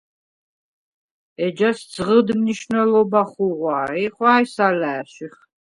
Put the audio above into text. ეჯას ძღჷდ მნიშუ̂ნელობა ხუღუ̂ა ი ხუ̂ა̈ჲს ალა̄̈შიხ.